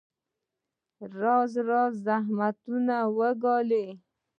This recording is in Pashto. راز راز زحمتونه وګاللې.